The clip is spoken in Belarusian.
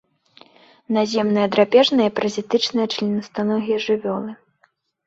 Наземныя драпежныя і паразітычныя членістаногія жывёлы.